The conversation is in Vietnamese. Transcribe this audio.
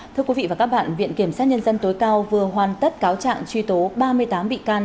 thưa quý vị và các bạn viện kiểm sát nhân dân tối cao vừa hoàn tất cáo trạng truy tố ba mươi tám bị can